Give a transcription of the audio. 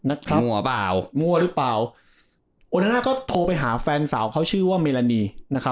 โอหนานานาก็โทรไปหาแฟนสาวเขาชื่อว่าเมลานี